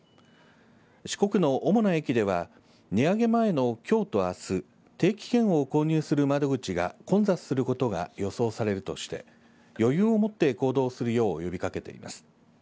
四国の主な駅では値上げ前のきょうとあす定期券を購入する窓口が混雑することが予想されるとして余裕をもって行動するよう呼びかけています。